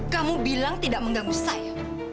kamu bilang tidak mengganggu saya